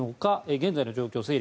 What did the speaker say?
現在の状況です。